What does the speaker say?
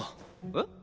えっ？